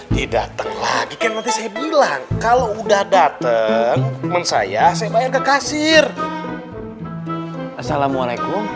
tidak lagi nanti saya bilang kalau udah dateng men saya saya bayar ke kasir assalamualaikum